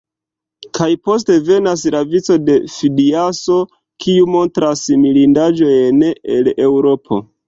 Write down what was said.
Kaj poste venas la vico de Fidiaso, kiu montras mirindaĵojn el Eŭropo.